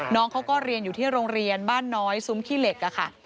น้องเขาก็เรียนอยู่ที่โรงเรียนบ้านน้อยซุ้มขี้เหล็กอะค่ะ